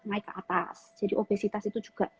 naik ke atas jadi obesitas itu juga